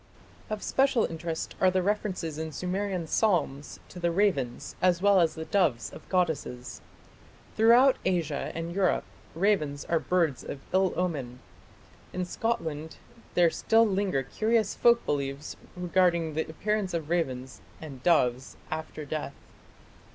Of special interest are the references in Sumerian psalms to the ravens as well as the doves of goddesses. Throughout Asia and Europe ravens are birds of ill omen. In Scotland there still linger curious folk beliefs regarding the appearance of ravens and doves after death.